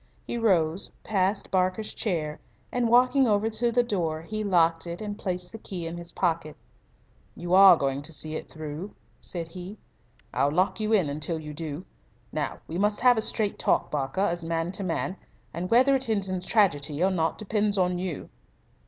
He rose, passed Barker's chair, and, walking over to the door, he locked it and placed the key in his pocket. "You are going to see it through," said he. "I'll lock you in until you do. Now we must have a straight talk, Barker, as man to man, and whether it ends in tragedy or not depends on you."